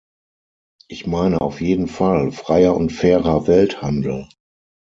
Ich meine auf jeden Fall, "freier und fairer Welthandel".